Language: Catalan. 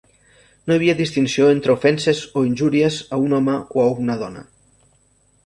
No hi havia distinció entre ofenses o injúries a un home o a una dona.